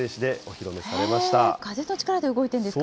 風の力で動いてるんですか。